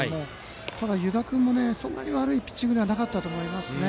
ただ、湯田君もそんなに悪いピッチングではなかったと思います。